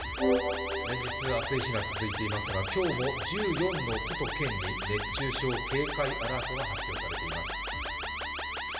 連日暑い日が続いていますが今日も１４の都と県に熱中症警戒アラートが発表されています。